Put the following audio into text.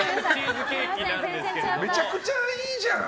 めちゃくちゃいいじゃん。